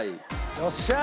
よっしゃー！